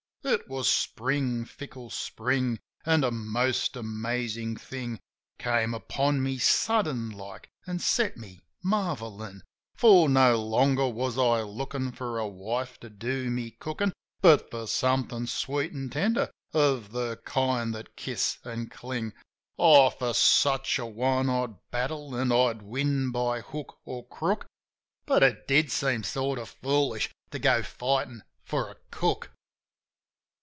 It was Spring, the fickle Spring; an' a most amazin' thing Came upon me sudden like an' set me marvelling. For no longer was I lookin' for a wife to do my cookin'. But for somethin' sweet an' tender of the kind that kiss an' cling. Oh, for such a one I'd battle, an' I'd win by hook or crook; But it did seem sort of foolish to go fightin' for a cook.